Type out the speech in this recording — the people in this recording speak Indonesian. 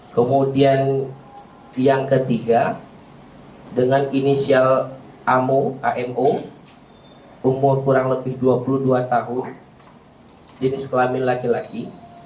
kemudian yang ketiga dengan inisial amo amo umur kurang lebih dua puluh dua tahun jenis kelamin laki laki